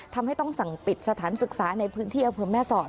ทำให้ต้องสั่งปิดสถานศึกษาในพื้นที่อำเภอแม่สอด